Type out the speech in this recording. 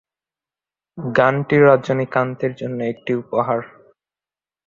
গানটি রজনীকান্তের জন্য একটি উপহার।